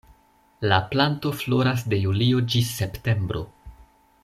La planto floras de julio ĝis septembro.